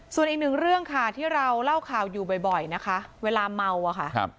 ส่วนอีกหนึ่งเรื่องค่ะที่เราเล่าข่าวอยู่บ่อยนะคะเวลาเมาอะค่ะ